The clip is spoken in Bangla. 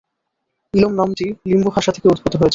ইলম নামটি লিম্বু ভাষা থেকে উদ্ভূত হয়েছে।